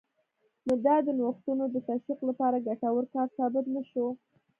نو دا د نوښتونو د تشویق لپاره ګټور کار ثابت نه شو